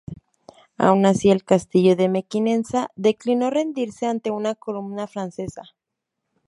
Aun así, el castillo de Mequinenza declinó rendirse ante una columna francesa.